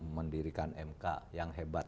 mendirikan mk yang hebat